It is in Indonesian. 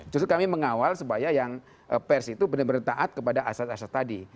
justru kami mengawal supaya yang pers itu benar benar taat kepada asas asas tadi